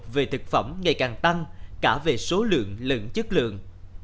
về thực phẩm ngày càng tăng cả về số lượng lẫn chất lượng